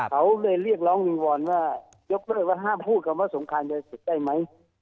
เขาเลยเรียกร้องวิงวอนว่ายกเลิกว่าห้ามพูดคำว่าสงครามยาเสพติดได้ไหม